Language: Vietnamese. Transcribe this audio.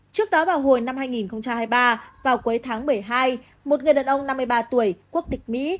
trước đó vào hồi năm hai nghìn hai mươi ba vào cuối tháng một mươi hai một người đàn ông năm mươi ba tuổi quốc tịch mỹ